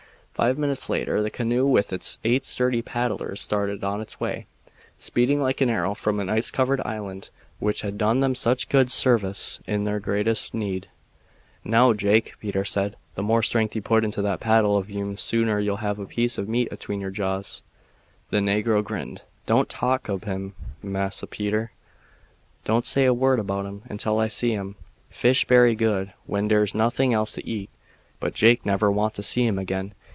Five minutes later the canoe with its eight sturdy paddlers started on its way, speeding like an arrow from the ice covered island which had done them such good service in their greatest need. "Now, Jake," Peter said, "the more strength you put into that paddle of yourn the sooner you'll have a piece of meat atween your jaws." The negro grinned. "Don't talk ob him, Massa Peter; don't say a word about him until I see him. Fish bery good when dere's noting else to eat, but Jake never want to see him again.